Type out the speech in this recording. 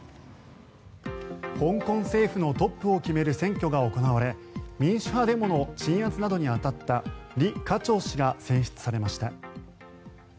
香港政府のトップを決める選挙が行われ民主派デモの鎮圧などに当たったリ・カチョウ氏が選出されました。